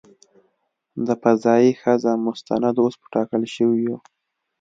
د "فضايي ښځه" مستند اوس په ټاکل شویو .